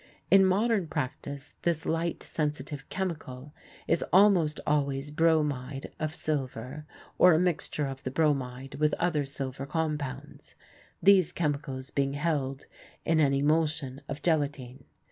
In modern practice this light sensitive chemical is almost always bromide of silver or a mixture of the bromide with other silver compounds, these chemicals being held in an emulsion of gelatine.